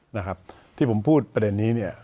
นะครับที่ผมพูดประเด็นนี้